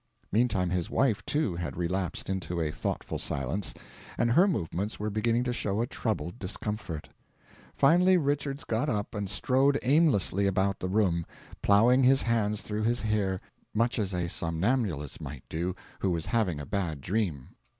Meantime his wife too had relapsed into a thoughtful silence, and her movements were beginning to show a troubled discomfort. Finally Richards got up and strode aimlessly about the room, ploughing his hands through his hair, much as a somnambulist might do who was having a bad dream.